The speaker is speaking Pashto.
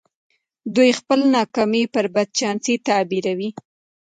دوی خپله ناکامي پر بد چانسۍ تعبيروي.